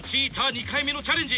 ２回目のチャレンジ。